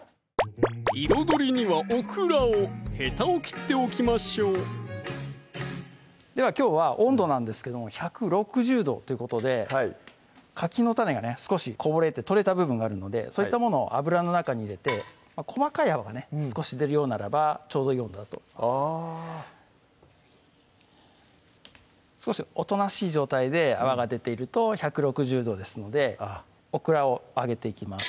彩りにはオクラをへたを切っておきましょうではきょうは温度なんですけども１６０度っていうことでかきの種がね少しこぼれて取れた部分があるのでそういったものを油の中に入れて細かい泡がね少し出るようならばちょうどいい温度だとあ少しおとなしい状態で泡が出ていると１６０度ですのでオクラを揚げていきます